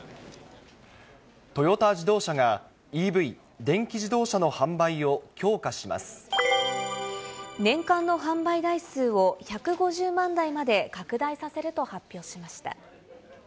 トヨタ自動車がＥＶ・電気自年間の販売台数を１５０万台まで拡大させると発表しました。